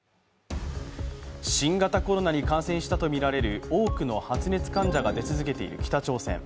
新型コロナに感染したとみられる多くの発熱患者が増え続けている北朝鮮。